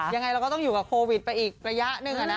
ยังไงเราก็ต้องอยู่กับโควิดไปอีกระยะหนึ่ง